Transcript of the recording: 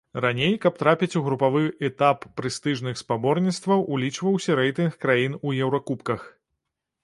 Раней, каб трапіць у групавы этап прэстыжных спаборніцтваў, улічваўся рэйтынг краін у еўракубках.